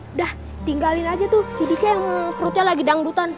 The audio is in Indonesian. udah tinggalin aja tuh si diki yang perutnya lagi dangdutan